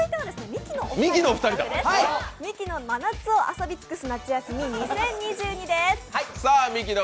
「ミキの真夏を遊び尽くす夏休み２０２２」です。